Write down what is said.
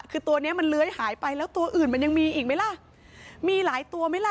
คือตัวเนี้ยมันเลื้อยหายไปแล้วตัวอื่นมันยังมีอีกไหมล่ะมีหลายตัวไหมล่ะ